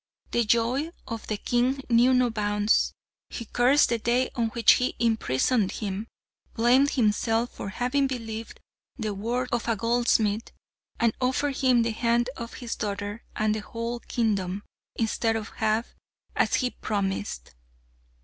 The joy of the king knew no bounds. He cursed the day on which he imprisoned him, blamed himself for having believed the word of a goldsmith, and offered him the hand of his daughter and the whole kingdom, instead of half, as he promised.